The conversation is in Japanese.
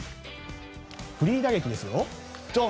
フリー打撃ですよ。